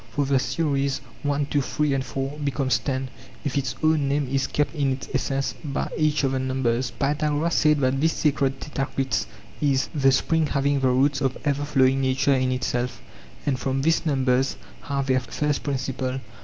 For the series, one two three and four, becomes ten, if its own name is kept in its essence by each of the numbers. Pythagoras said that this sacred tetraktys is 'the spring having the roots of ever flowing nature' in itself, and from this numbers have their first principle.